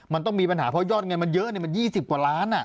มันต้องมีปัญหาเพราะยอดเงินมันเยอะมัน๒๐กว่าล้าน